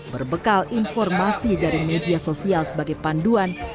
berbekal informasi dari media sosial sebagai panduan